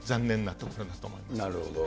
なるほど。